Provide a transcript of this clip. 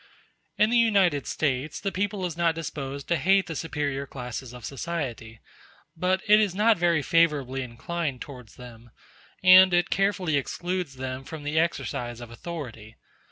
In the United States the people is not disposed to hate the superior classes of society; but it is not very favorably inclined towards them, and it carefully excludes them from the exercise of authority.